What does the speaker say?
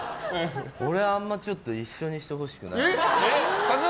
俺あんまりちょっと一緒にしてほしくない。